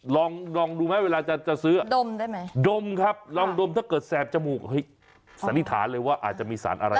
ลองดูไหมเวลาจะซื้อดมได้ไหมดมครับลองดมถ้าเกิดแสบจมูกสันนิษฐานเลยว่าอาจจะมีสารอะไร